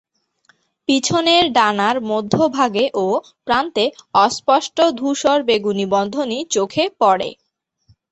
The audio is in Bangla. পিছনের ডানার মধ্যভাগে ও প্রান্তে অস্পষ্ট ধূসর বেগুনি বন্ধনী চোখে পরে।